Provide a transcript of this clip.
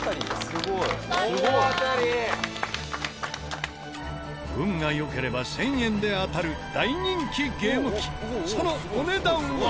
すごい！運が良ければ１０００円で当たる大人気ゲーム機そのお値段は。